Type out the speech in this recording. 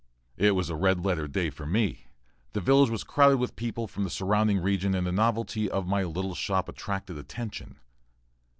It was a "red letter" day for me. The village was crowded with people from the surrounding region and the novelty of my little shop attracted attention.